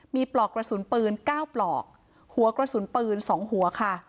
มีปลอกกระสุนปืน๙ปลอกหัวกระสุนปืน๒หัวค่ะ